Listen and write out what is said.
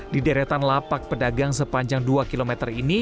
di deretan lapak pedagang sepanjang dua km ini